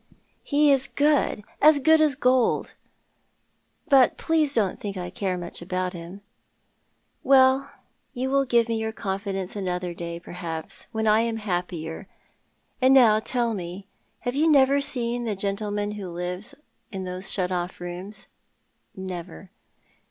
" He is good— as good as gold ; but please don't think I care mncli about him." " Well, you will give me your confidence another day, per haps, when I am happier; and now tell me, have you never seen the gentleman who lives in those shut off rooms ?"" Never."